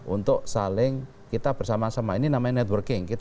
untuk saling kita bersama sama ini namanya networking